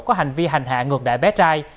có hành vi hành hạ ngược đại bé trai